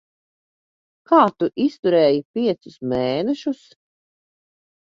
Kā tu izturēji piecus mēnešus?